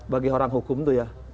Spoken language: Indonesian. bagi orang hukum itu ya